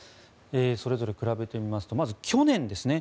それぞれ比べてみますとまず、去年ですね